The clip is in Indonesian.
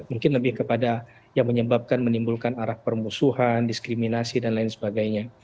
mungkin lebih kepada yang menyebabkan menimbulkan arah permusuhan diskriminasi dan lain sebagainya